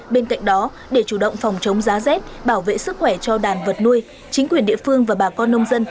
bên cạnh đó để chủ động phòng chống giá rét bảo vệ sức khỏe cho đàn vật nuôi chính quyền địa phương và bà con nông dân